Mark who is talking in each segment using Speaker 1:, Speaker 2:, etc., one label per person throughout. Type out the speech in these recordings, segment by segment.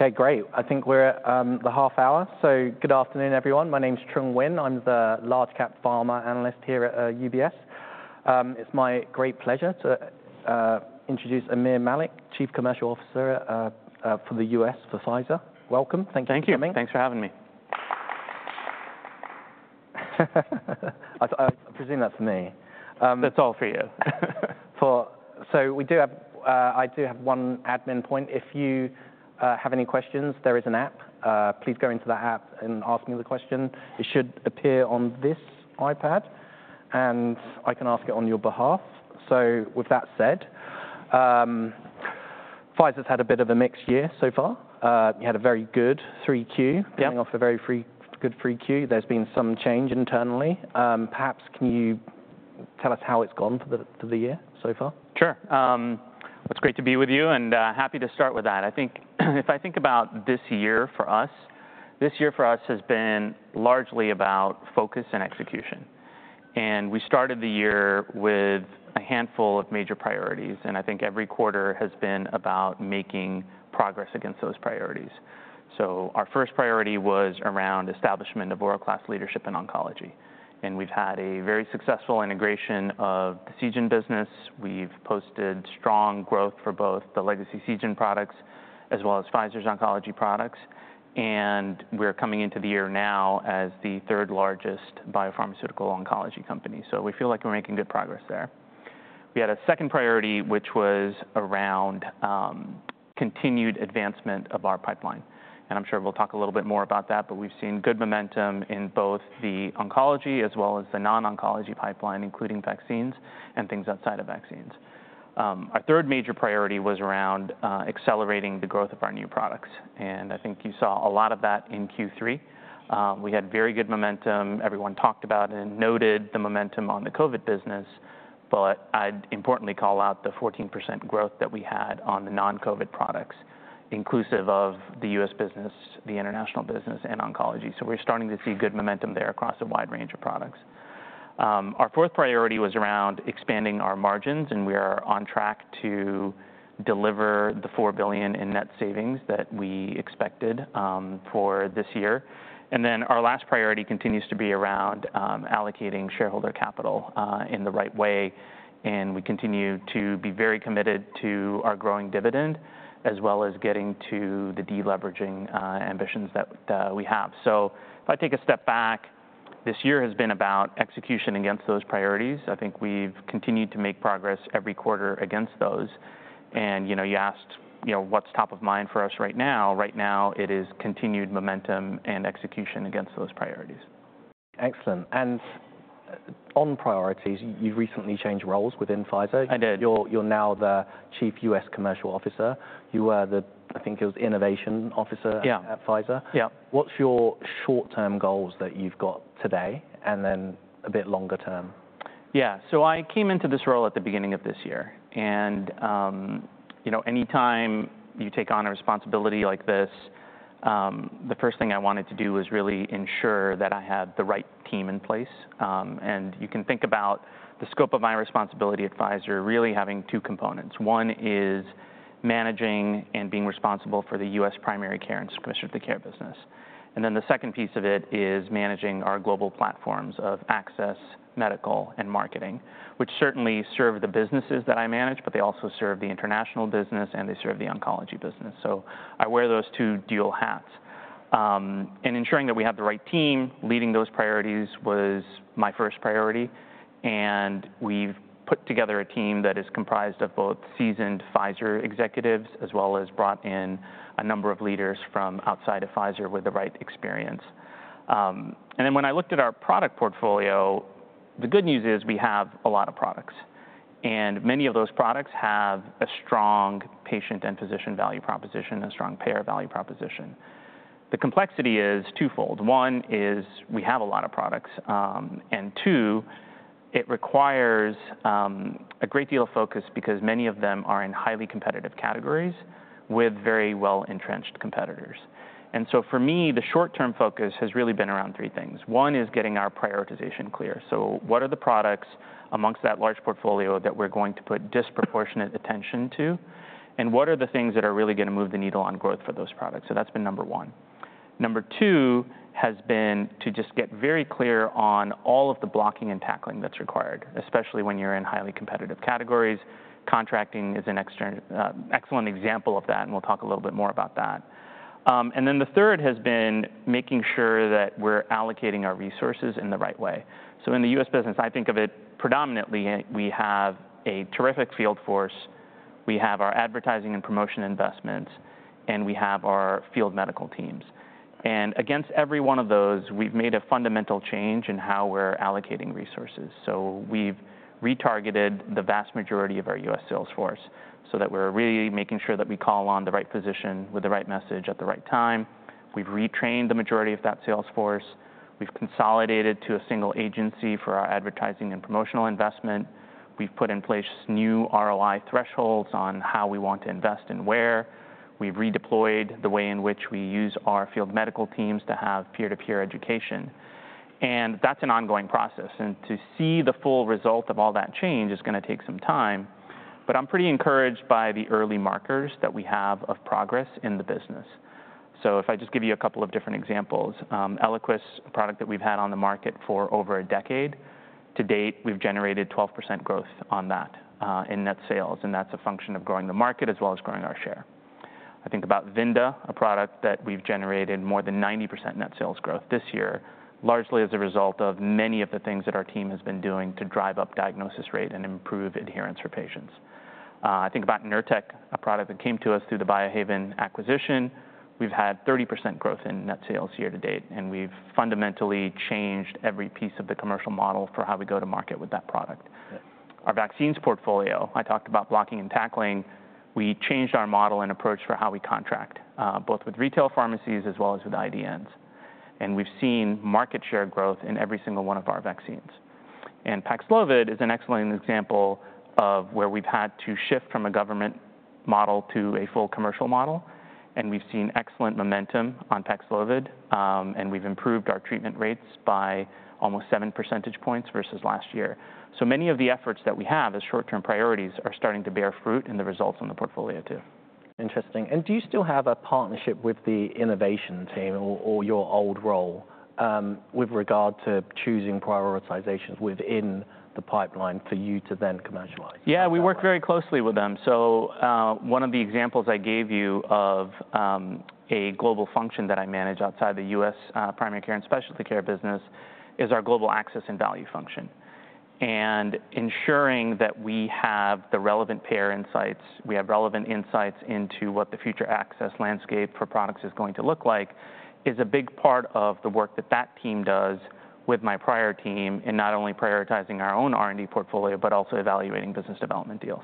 Speaker 1: Okay, great. I think we're at the half hour, so good afternoon, everyone. My name's Trung Huynh. I'm the large-cap pharma analyst here at UBS. It's my great pleasure to introduce Aamir Malik, Chief Commercial Officer for the US for Pfizer. Welcome. Thank you for coming.
Speaker 2: Thank you. Thanks for having me.
Speaker 1: I presume that's for me.
Speaker 2: That's all for you.
Speaker 1: So we do have one admin point. If you have any questions, there is an app. Please go into that app and ask me the question. It should appear on this iPad, and I can ask it on your behalf. So with that said, Pfizer's had a bit of a mixed year so far. You had a very good 3Q, coming off a very good 3Q. There's been some change internally. Perhaps can you tell us how it's gone for the year so far?
Speaker 2: Sure. It's great to be with you, and happy to start with that. I think if I think about this year for us, this year for us has been largely about focus and execution. And we started the year with a handful of major priorities, and I think every quarter has been about making progress against those priorities. So our first priority was around establishment of world-class leadership in oncology. And we've had a very successful integration of the Seagen business. We've posted strong growth for both the legacy Seagen products as well as Pfizer's oncology products. And we're coming into the year now as the third largest biopharmaceutical oncology company. So we feel like we're making good progress there. We had a second priority, which was around continued advancement of our pipeline. And I'm sure we'll talk a little bit more about that, but we've seen good momentum in both the oncology as well as the non-oncology pipeline, including vaccines and things outside of vaccines. Our third major priority was around accelerating the growth of our new products. And I think you saw a lot of that in Q3. We had very good momentum. Everyone talked about and noted the momentum on the COVID business, but I'd importantly call out the 14% growth that we had on the non-COVID products, inclusive of the U.S. business, the international business, and oncology. So we're starting to see good momentum there across a wide range of products. Our fourth priority was around expanding our margins, and we are on track to deliver the $4 billion in net savings that we expected for this year. And then our last priority continues to be around allocating shareholder capital in the right way. And we continue to be very committed to our growing dividend as well as getting to the deleveraging ambitions that we have. So if I take a step back, this year has been about execution against those priorities. I think we've continued to make progress every quarter against those. And you asked what's top of mind for us right now. Right now, it is continued momentum and execution against those priorities.
Speaker 1: Excellent. And on priorities, you've recently changed roles within Pfizer.
Speaker 2: I did.
Speaker 1: You're now the Chief US Commercial Officer. You were, I think it was, Innovation Officer at Pfizer.
Speaker 2: Yeah.
Speaker 1: What's your short-term goals that you've got today, and then a bit longer term?
Speaker 2: Yeah, so I came into this role at the beginning of this year, and any time you take on a responsibility like this, the first thing I wanted to do was really ensure that I had the right team in place, and you can think about the scope of my responsibility at Pfizer really having two components. One is managing and being responsible for the U.S. primary care and subspecialty care business, and then the second piece of it is managing our global platforms of access, medical, and marketing, which certainly serve the businesses that I manage, but they also serve the international business, and they serve the oncology business, so I wear those two dual hats, and ensuring that we have the right team leading those priorities was my first priority. We've put together a team that is comprised of both seasoned Pfizer executives as well as brought in a number of leaders from outside of Pfizer with the right experience. Then when I looked at our product portfolio, the good news is we have a lot of products. Many of those products have a strong patient and physician value proposition, a strong payer value proposition. The complexity is twofold. One is we have a lot of products. Two, it requires a great deal of focus because many of them are in highly competitive categories with very well-entrenched competitors. For me, the short-term focus has really been around three things. One is getting our prioritization clear. What are the products amongst that large portfolio that we're going to put disproportionate attention to? What are the things that are really going to move the needle on growth for those products? That's been number one. Number two has been to just get very clear on all of the blocking and tackling that's required, especially when you're in highly competitive categories. Contracting is an excellent example of that, and we'll talk a little bit more about that. Then the third has been making sure that we're allocating our resources in the right way. In the US business, I think of it predominantly we have a terrific field force. We have our advertising and promotion investments, and we have our field medical teams. Against every one of those, we've made a fundamental change in how we're allocating resources. So we've retargeted the vast majority of our U.S. sales force so that we're really making sure that we call on the right physician with the right message at the right time. We've retrained the majority of that sales force. We've consolidated to a single agency for our advertising and promotional investment. We've put in place new ROI thresholds on how we want to invest and where. We've redeployed the way in which we use our field medical teams to have peer-to-peer education. And that's an ongoing process. And to see the full result of all that change is going to take some time. But I'm pretty encouraged by the early markers that we have of progress in the business. So if I just give you a couple of different examples, Eliquis, a product that we've had on the market for over a decade. To date, we've generated 12% growth on that in net sales. And that's a function of growing the market as well as growing our share. I think about Vinda, a product that we've generated more than 90% net sales growth this year, largely as a result of many of the things that our team has been doing to drive up diagnosis rate and improve adherence for patients. I think about Nurtec, a product that came to us through the Biohaven acquisition. We've had 30% growth in net sales year to date, and we've fundamentally changed every piece of the commercial model for how we go to market with that product. Our vaccines portfolio, I talked about blocking and tackling. We changed our model and approach for how we contract, both with retail pharmacies as well as with IDNs. And we've seen market share growth in every single one of our vaccines. And PAXLOVID is an excellent example of where we've had to shift from a government model to a full commercial model. And we've seen excellent momentum on PAXLOVID. And we've improved our treatment rates by almost seven percentage points versus last year. So many of the efforts that we have as short-term priorities are starting to bear fruit in the results on the portfolio too.
Speaker 1: Interesting. And do you still have a partnership with the innovation team or your old role with regard to choosing prioritizations within the pipeline for you to then commercialize?
Speaker 2: Yeah, we work very closely with them. So one of the examples I gave you of a global function that I manage outside the U.S. primary care and specialty care business is our global access and value function. And ensuring that we have the relevant payer insights, we have relevant insights into what the future access landscape for products is going to look like is a big part of the work that that team does with my prior team in not only prioritizing our own R&D portfolio, but also evaluating business development deals.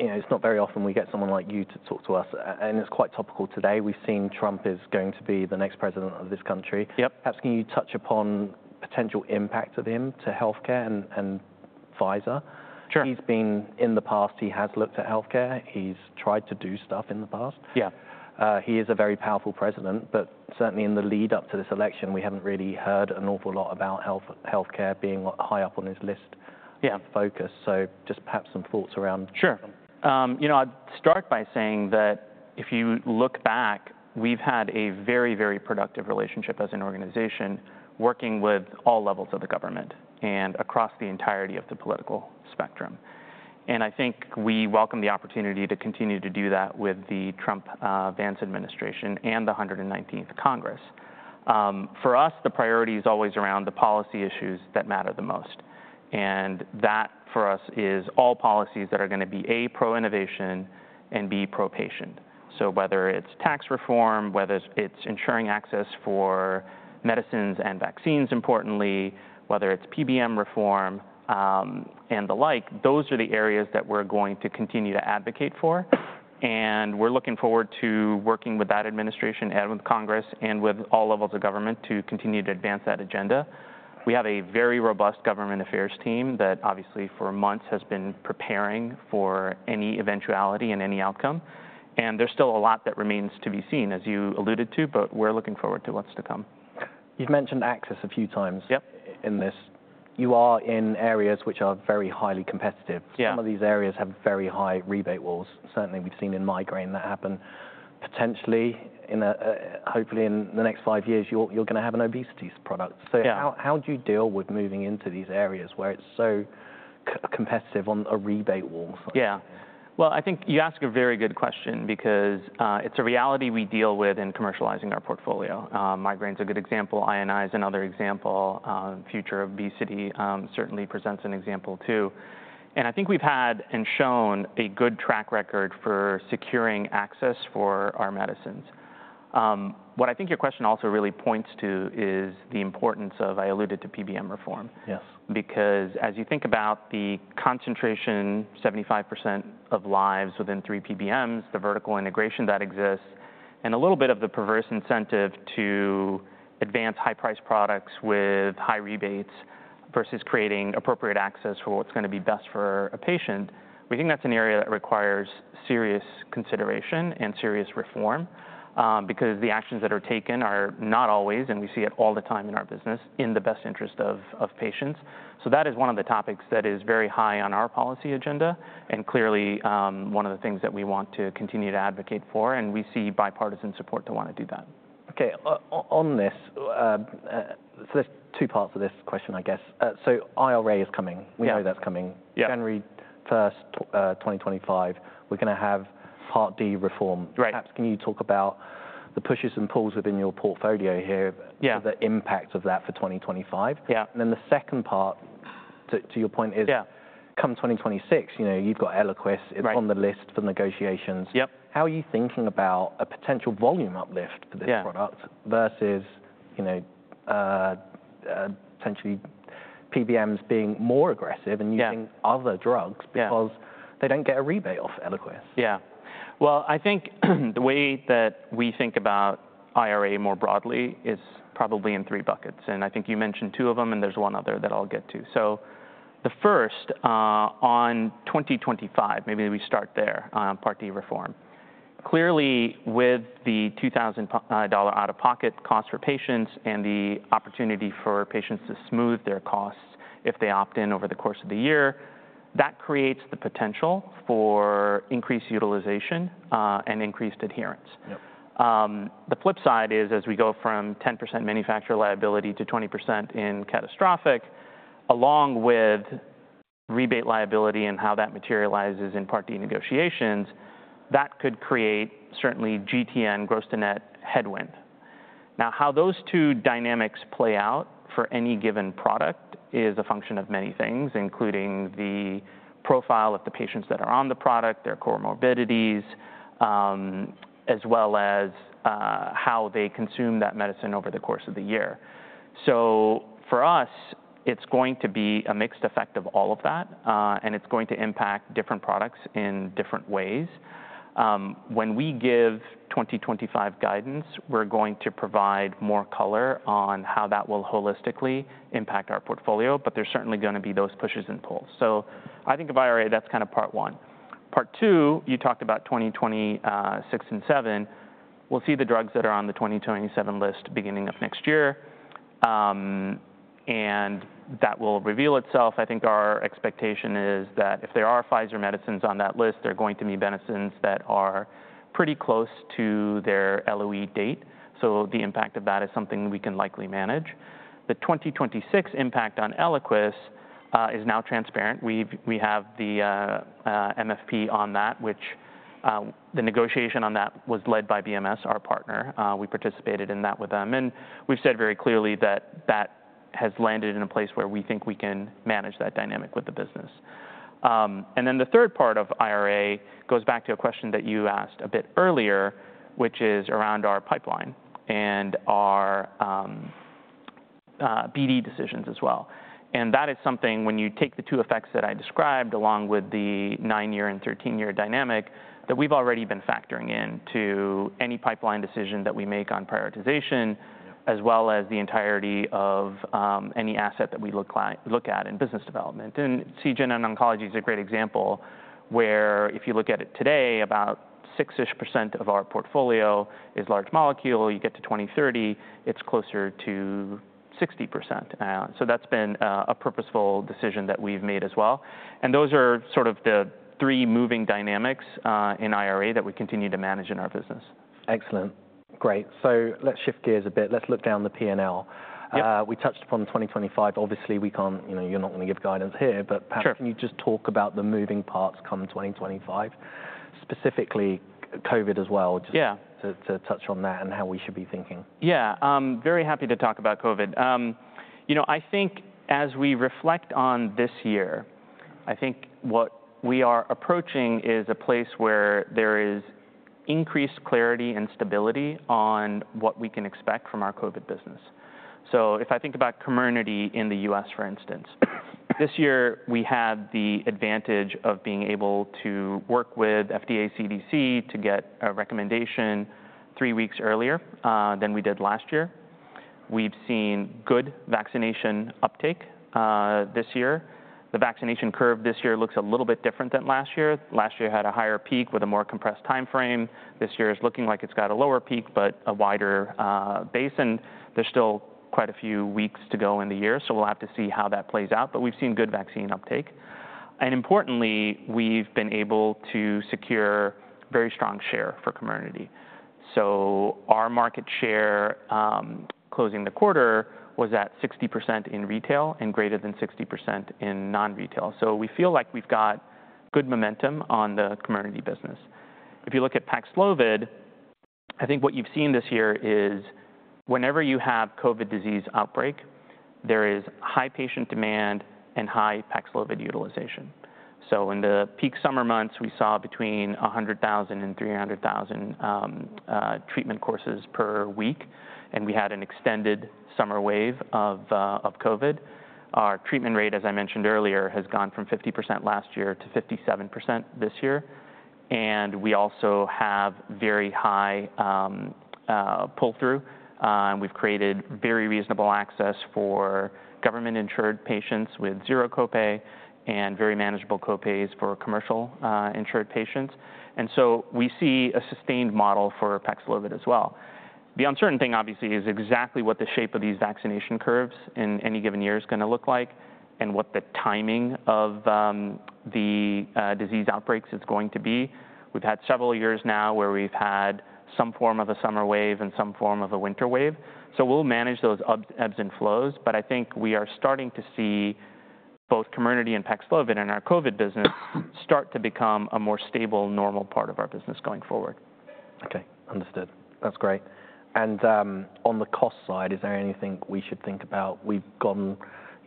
Speaker 1: It's not very often we get someone like you to talk to us. It's quite topical today. We've seen Trump is going to be the next president of this country.
Speaker 2: Yep.
Speaker 1: Perhaps can you touch upon potential impact of him to health care and Pfizer?
Speaker 2: Sure.
Speaker 1: He's been in the past, he has looked at health care. He's tried to do stuff in the past.
Speaker 2: Yeah.
Speaker 1: He is a very powerful president. But certainly in the lead-up to this election, we haven't really heard an awful lot about health care being high up on his list of focus. So just perhaps some thoughts around.
Speaker 2: Sure. You know, I'd start by saying that if you look back, we've had a very, very productive relationship as an organization working with all levels of the government and across the entirety of the political spectrum. And I think we welcome the opportunity to continue to do that with the Trump-Vance administration and the 119th Congress. For us, the priority is always around the policy issues that matter the most. And that for us is all policies that are going to be A, pro-innovation, and B, pro-patient. So whether it's tax reform, whether it's ensuring access for medicines and vaccines, importantly, whether it's PBM reform and the like, those are the areas that we're going to continue to advocate for. And we're looking forward to working with that administration and with Congress and with all levels of government to continue to advance that agenda. We have a very robust government affairs team that obviously for months has been preparing for any eventuality and any outcome. And there's still a lot that remains to be seen, as you alluded to, but we're looking forward to what's to come.
Speaker 1: You've mentioned access a few times in this. You are in areas which are very highly competitive.
Speaker 2: Yeah.
Speaker 1: Some of these areas have very high rebate walls. Certainly, we've seen in migraine that happen. Potentially, hopefully in the next five years, you're going to have an obesity product. So how do you deal with moving into these areas where it's so competitive on a rebate wall?
Speaker 2: Yeah. Well, I think you ask a very good question because it's a reality we deal with in commercializing our portfolio. Migraine's a good example. INI's another example. Future obesity certainly presents an example too, and I think we've had and shown a good track record for securing access for our medicines. What I think your question also really points to is the importance of PBM reform I alluded to.
Speaker 1: Yes.
Speaker 2: Because as you think about the concentration, 75% of lives within three PBMs, the vertical integration that exists, and a little bit of the perverse incentive to advance high-priced products with high rebates versus creating appropriate access for what's going to be best for a patient, we think that's an area that requires serious consideration and serious reform because the actions that are taken are not always, and we see it all the time in our business, in the best interest of patients, so that is one of the topics that is very high on our policy agenda and clearly one of the things that we want to continue to advocate for, and we see bipartisan support to want to do that.
Speaker 1: OK, on this, so there's two parts of this question, I guess. So IRA is coming.
Speaker 2: Yeah.
Speaker 1: We know that's coming.
Speaker 2: Yeah.
Speaker 1: January 1st, 2025, we're going to have Part D reform.
Speaker 2: Right.
Speaker 1: Perhaps can you talk about the pushes and pulls within your portfolio here?
Speaker 2: Yeah.
Speaker 1: The impact of that for 2025.
Speaker 2: Yeah.
Speaker 1: Then the second part, to your point, is, come 2026, you've got Eliquis.
Speaker 2: Right.
Speaker 1: It's on the list for negotiations.
Speaker 2: Yep.
Speaker 1: How are you thinking about a potential volume uplift for this product versus potentially PBMs being more aggressive and using other drugs?
Speaker 2: Yeah.
Speaker 1: Because they don't get a rebate off Eliquis.
Speaker 2: Yeah. Well, I think the way that we think about IRA more broadly is probably in three buckets. And I think you mentioned two of them, and there's one other that I'll get to. So the first, on 2025, maybe we start there, Part D reform. Clearly, with the $2,000 out-of-pocket cost for patients and the opportunity for patients to smooth their costs if they opt in over the course of the year, that creates the potential for increased utilization and increased adherence.
Speaker 1: Yep.
Speaker 2: The flip side is as we go from 10% manufacturer liability to 20% in catastrophic, along with rebate liability and how that materializes in Part D negotiations, that could create certainly GTN, gross to net, headwind. Now, how those two dynamics play out for any given product is a function of many things, including the profile of the patients that are on the product, their comorbidities, as well as how they consume that medicine over the course of the year. So for us, it's going to be a mixed effect of all of that, and it's going to impact different products in different ways. When we give 2025 guidance, we're going to provide more color on how that will holistically impact our portfolio, but there's certainly going to be those pushes and pulls, so I think of IRA, that's kind of part one. Part two, you talked about 2026 and 2027. We'll see the drugs that are on the 2027 list beginning of next year. And that will reveal itself. I think our expectation is that if there are Pfizer medicines on that list, there are going to be medicines that are pretty close to their LOE date. So the impact of that is something we can likely manage. The 2026 impact on Eliquis is now transparent. We have the MFP on that, which the negotiation on that was led by BMS, our partner. We participated in that with them. And we've said very clearly that that has landed in a place where we think we can manage that dynamic with the business. And then the third part of IRA goes back to a question that you asked a bit earlier, which is around our pipeline and our BD decisions as well. That is something when you take the two effects that I described, along with the nine-year and 13-year dynamic, that we've already been factoring into any pipeline decision that we make on prioritization, as well as the entirety of any asset that we look at in business development. And Seagen and oncology is a great example where if you look at it today, about 6-ish% of our portfolio is large molecule. You get to 2030, it's closer to 60%. So that's been a purposeful decision that we've made as well. And those are sort of the three moving dynamics in IRA that we continue to manage in our business.
Speaker 1: Excellent. Great. So let's shift gears a bit. Let's look down the P&L.
Speaker 2: Yeah.
Speaker 1: We touched upon 2025. Obviously, we can't, you know, you're not going to give guidance here.
Speaker 2: Sure.
Speaker 1: But perhaps can you just talk about the moving parts come 2025, specifically COVID as well?
Speaker 2: Yeah.
Speaker 1: Just to touch on that and how we should be thinking.
Speaker 2: Yeah. Very happy to talk about COVID. You know, I think as we reflect on this year, I think what we are approaching is a place where there is increased clarity and stability on what we can expect from our COVID business. So if I think about community in the U.S., for instance, this year we had the advantage of being able to work with FDA CDC to get a recommendation three weeks earlier than we did last year. We've seen good vaccination uptake this year. The vaccination curve this year looks a little bit different than last year. Last year had a higher peak with a more compressed time frame. This year is looking like it's got a lower peak, but a wider base. And there's still quite a few weeks to go in the year. So we'll have to see how that plays out. We've seen good vaccine uptake, and importantly, we've been able to secure a very strong share for community, so our market share closing the quarter was at 60% in retail and greater than 60% in non-retail, so we feel like we've got good momentum on the community business. If you look at PAXLOVID, I think what you've seen this year is whenever you have COVID disease outbreak, there is high patient demand and high PAXLOVID utilization, so in the peak summer months, we saw between 100,000 and 300,000 treatment courses per week, and we had an extended summer wave of COVID. Our treatment rate, as I mentioned earlier, has gone from 50% last year to 57% this year, and we also have very high pull-through, and we've created very reasonable access for government insured patients with zero copay and very manageable copays for commercial insured patients. And so we see a sustained model for PAXLOVID as well. The uncertain thing, obviously, is exactly what the shape of these vaccination curves in any given year is going to look like and what the timing of the disease outbreaks is going to be. We've had several years now where we've had some form of a summer wave and some form of a winter wave. So we'll manage those ebbs and flows. But I think we are starting to see both Comirnaty and PAXLOVID in our COVID business start to become a more stable, normal part of our business going forward.
Speaker 1: OK, understood. That's great. And on the cost side, is there anything we should think about? We've gone,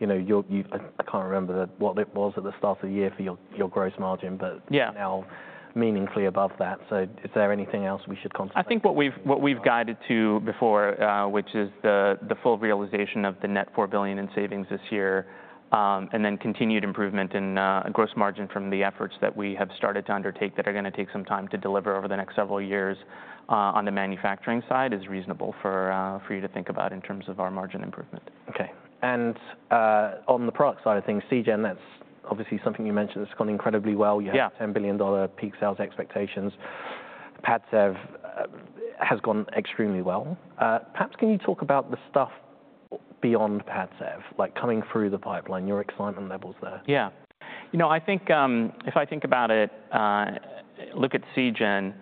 Speaker 1: you know, I can't remember what it was at the start of the year for your gross margin.
Speaker 2: Yeah.
Speaker 1: But now meaningfully above that. So is there anything else we should concentrate on?
Speaker 2: I think what we've guided to before, which is the full realization of the net $4 billion in savings this year and then continued improvement in gross margin from the efforts that we have started to undertake that are going to take some time to deliver over the next several years on the manufacturing side is reasonable for you to think about in terms of our margin improvement.
Speaker 1: OK. And on the product side of things, Seagen, that's obviously something you mentioned that's gone incredibly well.
Speaker 2: Yeah.
Speaker 1: You have $10 billion peak sales expectations. Padcev has gone extremely well. Perhaps can you talk about the stuff beyond Padcev, like coming through the pipeline, your excitement levels there?
Speaker 2: Yeah. You know, I think if I think about it, look at Seagen.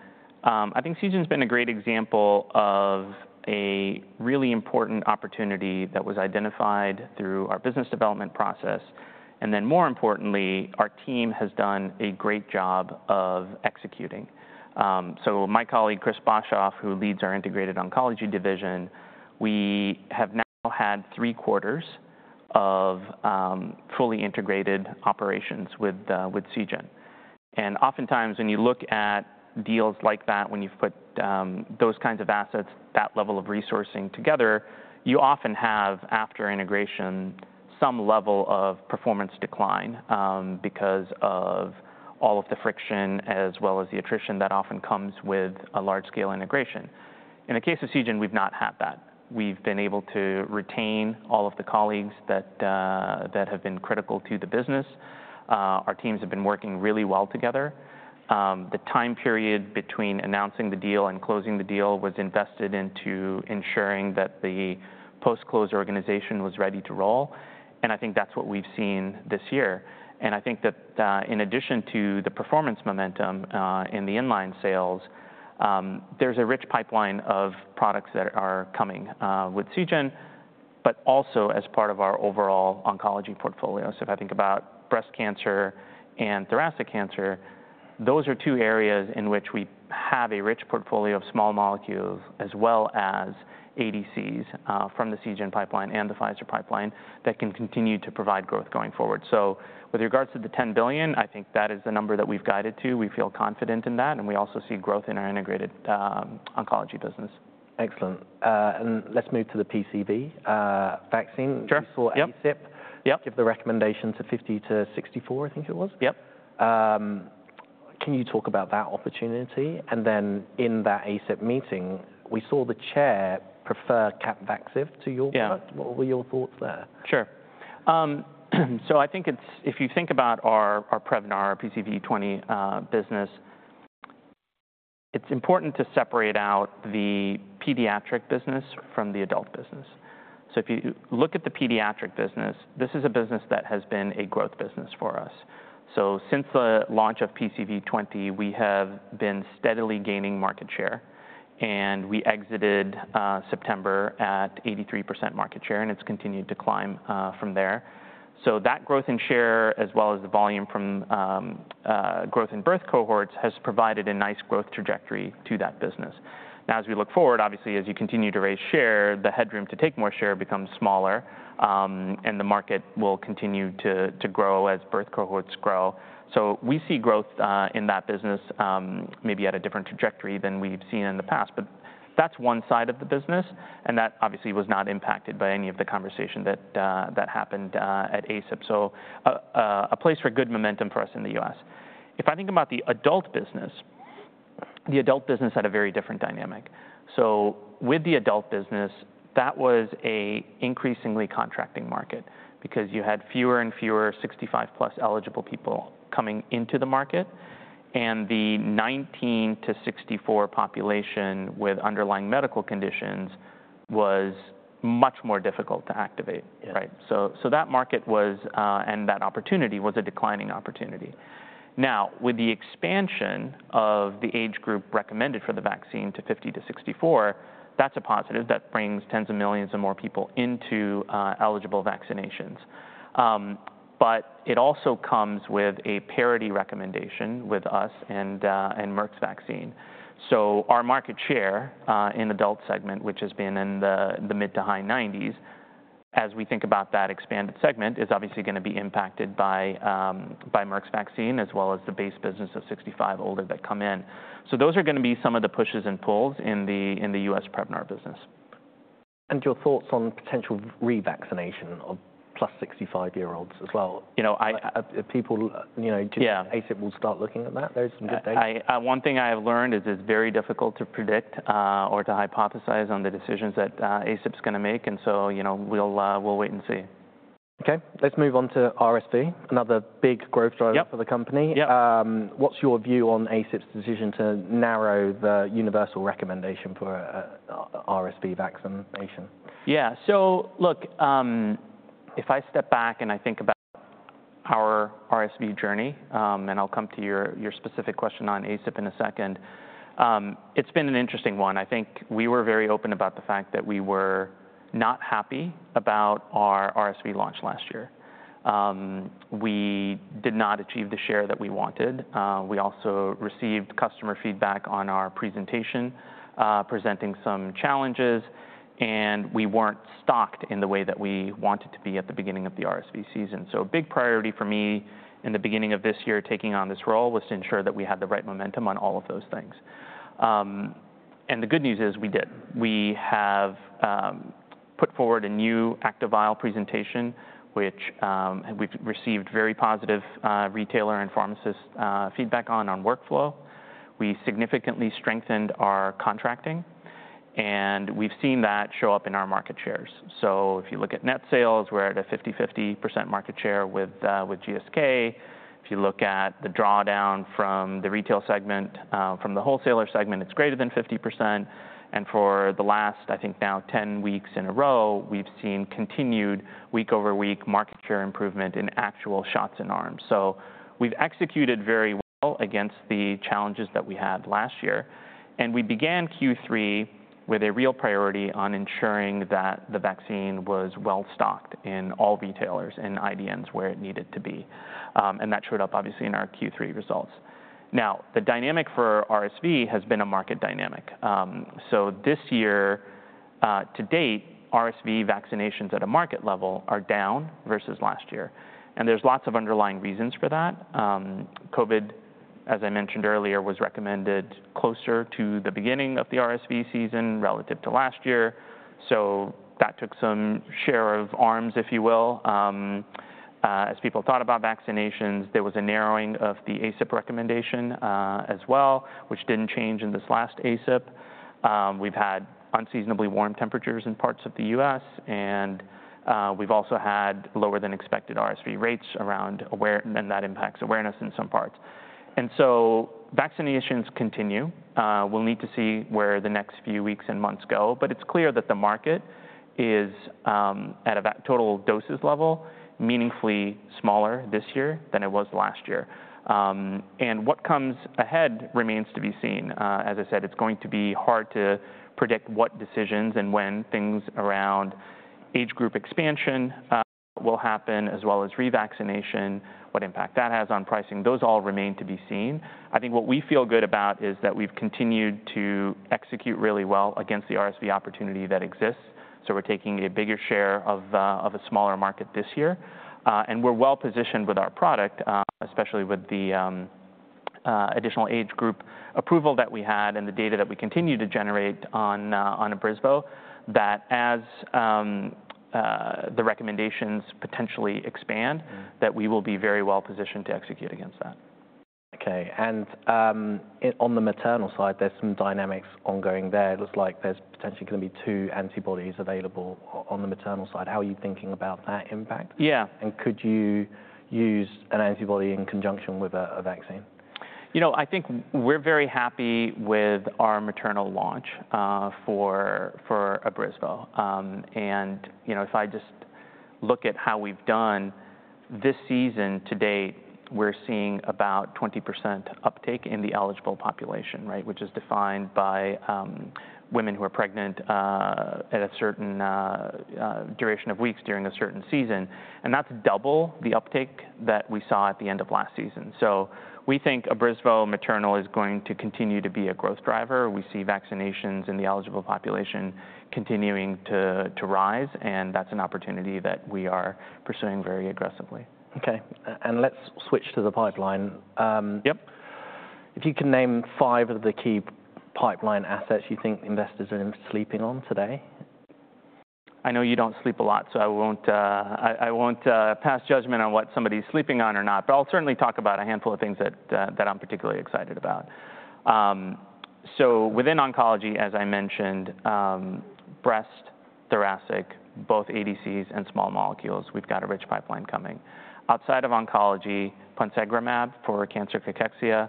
Speaker 2: I think Seagen's been a great example of a really important opportunity that was identified through our business development process. And then more importantly, our team has done a great job of executing. So my colleague, Chris Boshoff, who leads our integrated oncology division, we have now had three quarters of fully integrated operations with Seagen. And oftentimes when you look at deals like that, when you've put those kinds of assets, that level of resourcing together, you often have after integration some level of performance decline because of all of the friction as well as the attrition that often comes with a large-scale integration. In the case of Seagen, we've not had that. We've been able to retain all of the colleagues that have been critical to the business. Our teams have been working really well together. The time period between announcing the deal and closing the deal was invested into ensuring that the post-close organization was ready to roll, and I think that's what we've seen this year, and I think that in addition to the performance momentum in the inline sales, there's a rich pipeline of products that are coming with Seagen, but also as part of our overall oncology portfolio, so if I think about breast cancer and thoracic cancer, those are two areas in which we have a rich portfolio of small molecules as well as ADCs from the Seagen pipeline and the Pfizer pipeline that can continue to provide growth going forward, so with regards to the $10 billion, I think that is the number that we've guided to. We feel confident in that, and we also see growth in our integrated oncology business.
Speaker 1: Excellent. Let's move to the PCV vaccine.
Speaker 2: Sure.
Speaker 1: You saw ACIP.
Speaker 2: Yep.
Speaker 1: Give the recommendation to 50-64, I think it was.
Speaker 2: Yep.
Speaker 1: Can you talk about that opportunity? And then in that ACIP meeting, we saw the chair prefer Capvaxive to your product.
Speaker 2: Yeah.
Speaker 1: What were your thoughts there?
Speaker 2: Sure. So I think it's, if you think about our Prevnar 20 business, it's important to separate out the pediatric business from the adult business. So if you look at the pediatric business, this is a business that has been a growth business for us. So since the launch of PCV20, we have been steadily gaining market share. And we exited September at 83% market share. And it's continued to climb from there. So that growth in share, as well as the volume from growth in birth cohorts, has provided a nice growth trajectory to that business. Now, as we look forward, obviously, as you continue to raise share, the headroom to take more share becomes smaller. And the market will continue to grow as birth cohorts grow. So we see growth in that business, maybe at a different trajectory than we've seen in the past. But that's one side of the business. And that obviously was not impacted by any of the conversation that happened at ACIP. So a place for good momentum for us in the US. If I think about the adult business, the adult business had a very different dynamic. So with the adult business, that was an increasingly contracting market because you had fewer and fewer 65-plus eligible people coming into the market. And the 19 to 64 population with underlying medical conditions was much more difficult to activate.
Speaker 1: Yeah.
Speaker 2: Right? So that market was, and that opportunity was a declining opportunity. Now, with the expansion of the age group recommended for the vaccine to 50 to 64, that's a positive. That brings tens of millions of more people into eligible vaccinations. But it also comes with a parity recommendation with us and Merck's vaccine. So our market share in the adult segment, which has been in the mid- to high-90s, as we think about that expanded segment, is obviously going to be impacted by Merck's vaccine as well as the base business of 65 and older that come in. So those are going to be some of the pushes and pulls in the U.S. Prevnar business.
Speaker 1: Your thoughts on potential revaccination of plus 65-year-olds as well? You know, people, you know.
Speaker 2: Yeah.
Speaker 1: ACIP will start looking at that? There's some good data?
Speaker 2: One thing I have learned is it's very difficult to predict or to hypothesize on the decisions that ACIP's going to make, and so, you know, we'll wait and see.
Speaker 1: OK. Let's move on to RSV. Another big growth driver for the company.
Speaker 2: Yeah.
Speaker 1: What's your view on ACIP's decision to narrow the universal recommendation for RSV vaccination?
Speaker 2: Yeah, so look, if I step back and I think about our RSV journey, and I'll come to your specific question on ACIP in a second, it's been an interesting one. I think we were very open about the fact that we were not happy about our RSV launch last year. We did not achieve the share that we wanted. We also received customer feedback on our presentation, presenting some challenges, and we weren't stocked in the way that we wanted to be at the beginning of the RSV season. A big priority for me in the beginning of this year taking on this role was to ensure that we had the right momentum on all of those things, and the good news is we did. We have put forward a new active vial presentation, which we've received very positive retailer and pharmacist feedback on, on workflow. We significantly strengthened our contracting, and we've seen that show up in our market shares, so if you look at net sales, we're at a 50-50% market share with GSK. If you look at the drawdown from the retail segment, from the wholesaler segment, it's greater than 50%, and for the last, I think now, 10 weeks in a row, we've seen continued week-over-week market share improvement in actual shots in arms, so we've executed very well against the challenges that we had last year, and we began Q3 with a real priority on ensuring that the vaccine was well stocked in all retailers and IDNs where it needed to be, and that showed up, obviously, in our Q3 results. Now, the dynamic for RSV has been a market dynamic, so this year, to date, RSV vaccinations at a market level are down versus last year. There's lots of underlying reasons for that. COVID, as I mentioned earlier, was recommended closer to the beginning of the RSV season relative to last year. That took some share of arms, if you will. As people thought about vaccinations, there was a narrowing of the ACIP recommendation as well, which didn't change in this last ACIP. We've had unseasonably warm temperatures in parts of the U.S. We've also had lower-than-expected RSV rates around, and that impacts awareness in some parts. Vaccinations continue. We'll need to see where the next few weeks and months go. It's clear that the market is, at a total doses level, meaningfully smaller this year than it was last year. What comes ahead remains to be seen. As I said, it's going to be hard to predict what decisions and when things around age group expansion will happen, as well as revaccination, what impact that has on pricing. Those all remain to be seen. I think what we feel good about is that we've continued to execute really well against the RSV opportunity that exists. So we're taking a bigger share of a smaller market this year. And we're well positioned with our product, especially with the additional age group approval that we had and the data that we continue to generate on Abrysvo, that as the recommendations potentially expand, that we will be very well positioned to execute against that.
Speaker 1: OK, and on the maternal side, there's some dynamics ongoing there. It looks like there's potentially going to be two antibodies available on the maternal side. How are you thinking about that impact?
Speaker 2: Yeah.
Speaker 1: Could you use an antibody in conjunction with a vaccine?
Speaker 2: You know, I think we're very happy with our maternal launch for Abrysvo. And, you know, if I just look at how we've done, this season to date, we're seeing about 20% uptake in the eligible population, right, which is defined by women who are pregnant at a certain duration of weeks during a certain season. And that's double the uptake that we saw at the end of last season. So we think Abrysvo maternal is going to continue to be a growth driver. We see vaccinations in the eligible population continuing to rise. And that's an opportunity that we are pursuing very aggressively.
Speaker 1: OK. And let's switch to the pipeline.
Speaker 2: Yep.
Speaker 1: If you can name five of the key pipeline assets you think investors are sleeping on today?
Speaker 2: I know you don't sleep a lot, so I won't pass judgment on what somebody's sleeping on or not, but I'll certainly talk about a handful of things that I'm particularly excited about, so within oncology, as I mentioned, breast, thoracic, both ADCs and small molecules, we've got a rich pipeline coming. Outside of oncology, Ponsegromab for cancer cachexia,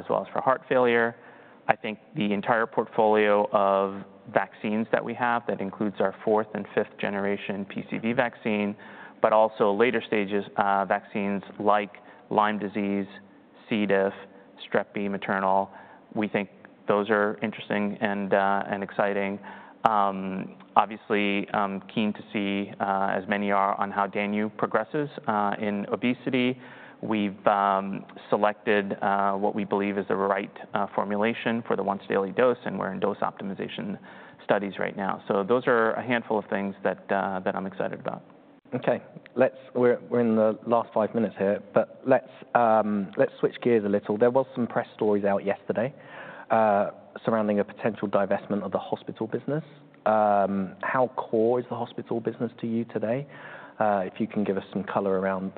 Speaker 2: as well as for heart failure. I think the entire portfolio of vaccines that we have that includes our fourth and fifth-generation PCV vaccine, but also later stages vaccines like Lyme disease, C. diff, Strep B maternal, we think those are interesting and exciting. Obviously, keen to see, as many are, on how Danu progresses in obesity. We've selected what we believe is the right formulation for the once-daily dose, and we're in dose optimization studies right now, so those are a handful of things that I'm excited about.
Speaker 1: OK. We're in the last five minutes here, but let's switch gears a little. There were some press stories out yesterday surrounding a potential divestment of the hospital business. How core is the hospital business to you today? If you can give us some color around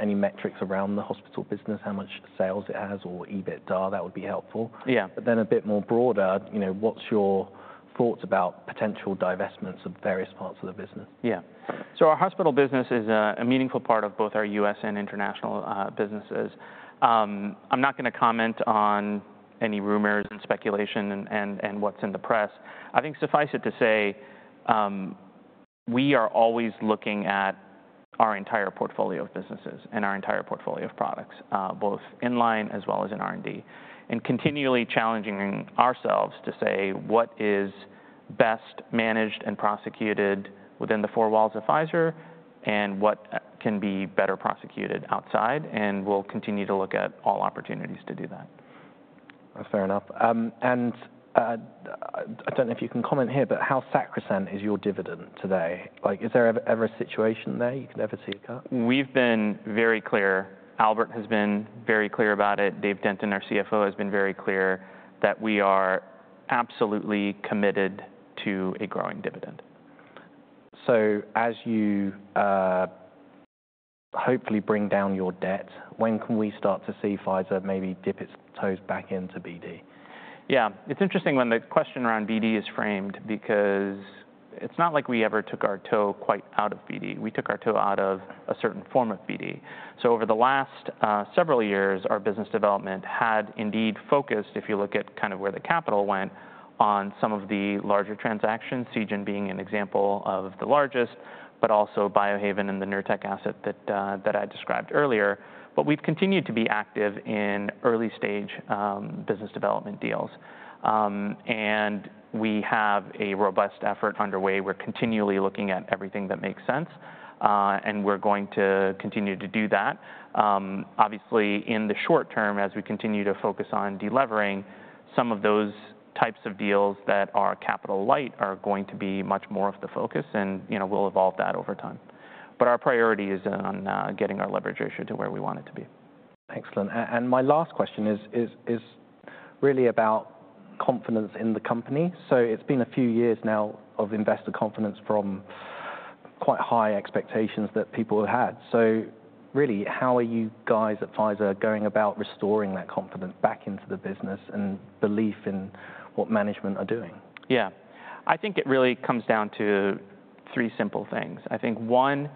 Speaker 1: any metrics around the hospital business, how much sales it has or EBITDA, that would be helpful.
Speaker 2: Yeah.
Speaker 1: But then a bit more broader, you know, what's your thoughts about potential divestments of various parts of the business?
Speaker 2: Yeah, so our hospital business is a meaningful part of both our U.S. and international businesses. I'm not going to comment on any rumors and speculation and what's in the press. I think suffice it to say we are always looking at our entire portfolio of businesses and our entire portfolio of products, both in-line as well as in R&D, and continually challenging ourselves to say what is best managed and prosecuted within the four walls of Pfizer and what can be better prosecuted outside, and we'll continue to look at all opportunities to do that.
Speaker 1: Fair enough. And I don't know if you can comment here, but how sacrosanct is your dividend today? Like, is there ever a situation there you can ever see a cut?
Speaker 2: We've been very clear. Albert has been very clear about it. Dave Denton, our CFO, has been very clear that we are absolutely committed to a growing dividend.
Speaker 1: So as you hopefully bring down your debt, when can we start to see Pfizer maybe dip its toes back into BD?
Speaker 2: Yeah. It's interesting when the question around BD is framed because it's not like we ever took our toe quite out of BD. We took our toe out of a certain form of BD. So over the last several years, our business development had indeed focused, if you look at kind of where the capital went, on some of the larger transactions, Seagen being an example of the largest, but also Biohaven and the Nurtec asset that I described earlier. But we've continued to be active in early-stage business development deals. And we have a robust effort underway. We're continually looking at everything that makes sense. And we're going to continue to do that. Obviously, in the short term, as we continue to focus on delivering, some of those types of deals that are capital-light are going to be much more of the focus. You know, we'll evolve that over time. Our priority is on getting our leverage ratio to where we want it to be.
Speaker 1: Excellent. And my last question is really about confidence in the company. So it's been a few years now of investor confidence from quite high expectations that people have had. So really, how are you guys at Pfizer going about restoring that confidence back into the business and belief in what management are doing?
Speaker 2: Yeah. I think it really comes down to three simple things. I think one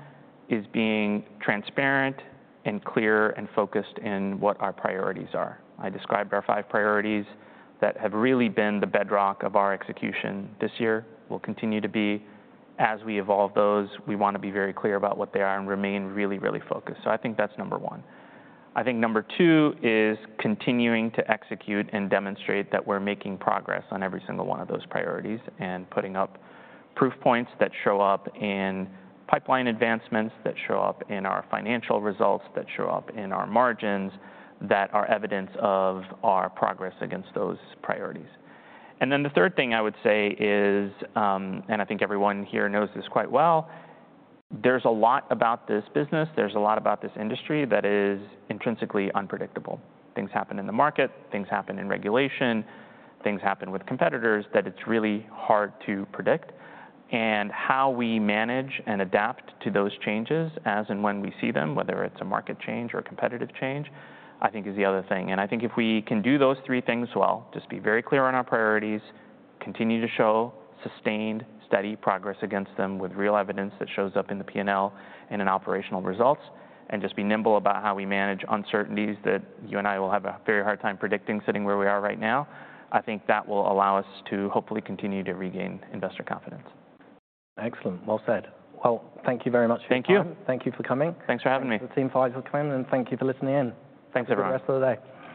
Speaker 2: is being transparent and clear and focused in what our priorities are. I described our five priorities that have really been the bedrock of our execution this year. We'll continue to be. As we evolve those, we want to be very clear about what they are and remain really, really focused. So I think that's number one. I think number two is continuing to execute and demonstrate that we're making progress on every single one of those priorities and putting up proof points that show up in pipeline advancements, that show up in our financial results, that show up in our margins, that are evidence of our progress against those priorities. And then the third thing I would say is, and I think everyone here knows this quite well, there's a lot about this business, there's a lot about this industry that is intrinsically unpredictable. Things happen in the market. Things happen in regulation. Things happen with competitors that it's really hard to predict. And how we manage and adapt to those changes as and when we see them, whether it's a market change or a competitive change, I think is the other thing. I think if we can do those three things well, just be very clear on our priorities, continue to show sustained, steady progress against them with real evidence that shows up in the P&L and in operational results, and just be nimble about how we manage uncertainties that you and I will have a very hard time predicting sitting where we are right now. I think that will allow us to hopefully continue to regain investor confidence.
Speaker 1: Excellent. Well said. Well, thank you very much for coming.
Speaker 2: Thank you.
Speaker 1: Thank you for coming.
Speaker 2: Thanks for having me.
Speaker 1: The team for Pfizer Team, and thank you for listening in.
Speaker 2: Thanks, everyone.
Speaker 1: Have a great rest of the day.